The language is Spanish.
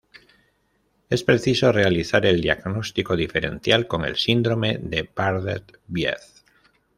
Es preciso realizar el diagnóstico diferencial con el Síndrome de Bardet-Biedl.